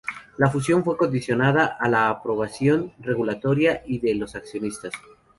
La fusión fue condicionada a la aprobación regulatoria y de los accionistas.